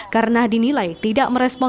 karena dinilai tidak meresapkan